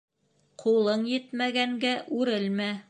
Ҡулың етмәгәнгә үрелмә.